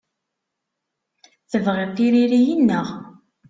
Tebɣiḍ tiririyin, naɣ?